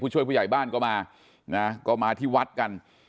ช่วยผู้ใหญ่บ้านก็มานะก็มาที่วัดกัน